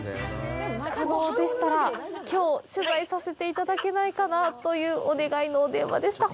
可能でしたら、きょう、取材させていただけないかなというお願いのお電話でした。